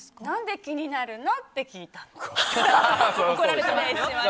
何で気になるのって聞いたの。